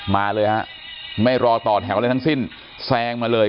มาเลยฮะไม่รอต่อแถวอะไรทั้งสิ้นแซงมาเลย